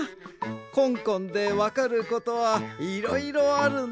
コンコンでわかることはいろいろあるんだな。